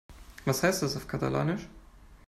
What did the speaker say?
Was heißt das auf Katalanisch?